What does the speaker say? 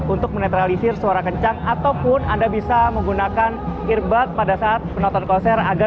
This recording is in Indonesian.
untuk menetralisir suara kencang ataupun anda bisa menggunakan earboard pada saat penonton konser